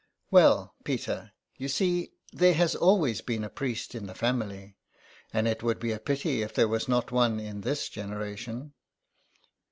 '' Well, Peter, you see, there has always been a priest 127 THE EXILE. in the family, and it would be a pity if there's not one in this generation.